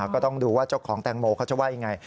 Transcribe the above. ก็ต้องดูว่าเจ้าของแตงโมเขาจะว่ายังไง